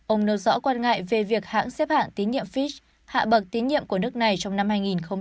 ông nâu rõ quan ngại về việc hãng xếp hạng tín nhiệm fitch hạ bậc tín nhiệm của nước này trong năm hai nghìn hai mươi ba